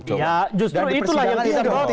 ya justru itulah yang kita khawatir